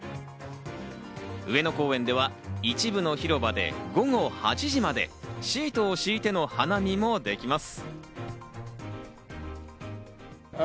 上野公園では、一部の広場で午後８時までシートを敷いての花見もできます。